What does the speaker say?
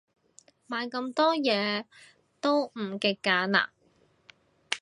買咁多嘢，都唔極簡啦